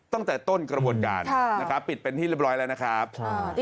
ตั้งแต่ต้นกระบวนการนะครับปิดเป็นที่เรียบร้อยแล้วนะครับ